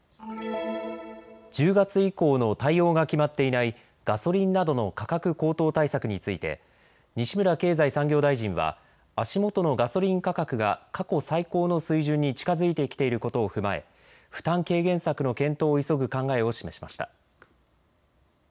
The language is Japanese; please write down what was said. １０月以降の対応が決まっていないガソリンなどの価格高騰対策について西村経済産業大臣は足元のガソリン価格が過去最高の水準に近づいてきていることを踏まえ負担軽減策の検討を急ぐ考えを示しました。